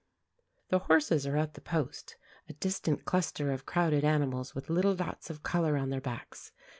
The horses are at the post; a distant cluster of crowded animals with little dots of colour on their backs.